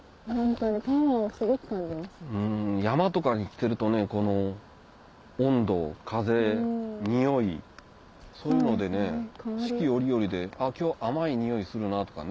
山とかに来てると温度風においそういうので四季折々であっ今日甘い匂いするなとかね。